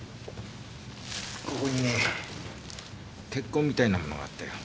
ここにね血痕みたいなものがあったよ。